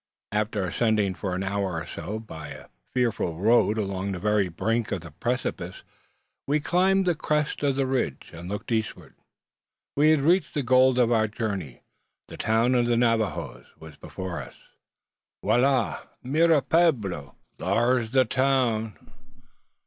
After ascending for an hour or so, by a fearful road along the very brink of the precipice, we climbed the crest of the ridge, and looked eastward. We had reached the goal of our journey. The town of the Navajoes was before us. "Voila!" "Mira el pueblo!" "Thar's the town!"